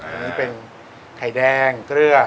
อันนี้เป็นไข่แดงเกลือ